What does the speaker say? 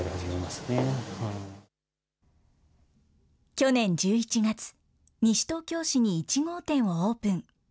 去年１１月、西東京市に１号店をオープン。